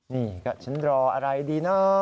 นี่ก็ฉันรออะไรดีเนาะ